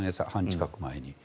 近く前に。